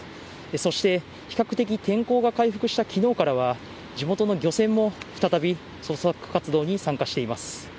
そして、比較的天候が回復したきのうからは、地元の漁船も再び捜索活動に参加しています。